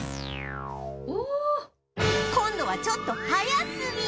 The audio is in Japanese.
今度はちょっと早すぎ！